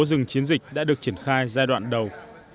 dừng chiến dịch đã được triển khai giai đoạn đầu